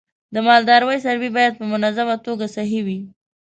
د مالدارۍ څاروی باید په منظمه توګه صحي وي.